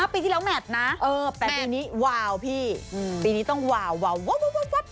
ปีที่แล้วแมทนะแมทปีนี้วาวพี่ปีนี้ต้องวาววาววาววาววาววาววาว